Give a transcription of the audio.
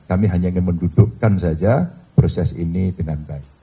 kami hanya ingin mendudukkan saja proses ini dengan baik